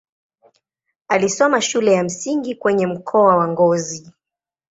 Alisoma shule ya msingi kwenye mkoa wa Ngozi.